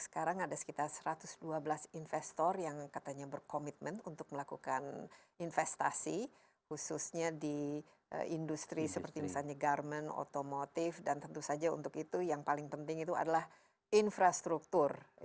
sekarang ada sekitar satu ratus dua belas investor yang katanya berkomitmen untuk melakukan investasi khususnya di industri seperti misalnya garmen otomotif dan tentu saja untuk itu yang paling penting itu adalah infrastruktur